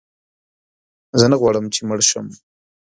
زه نه غواړم چې مړ شم.